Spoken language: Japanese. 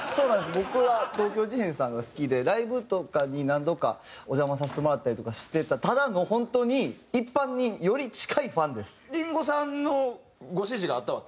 僕は東京事変さんが好きでライブとかに何度かお邪魔させてもらったりとかしてたただの本当に林檎さんのご指示があったわけ？